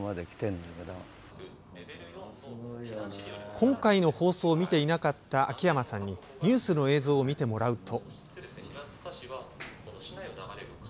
今回の放送を見ていなかった秋山さんにニュースの映像を見てもらうと。